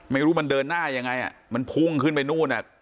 ไม่รู้มันเดินหน้ายังไงอ่ะมันพุ่งขึ้นไปนู่นอ่ะ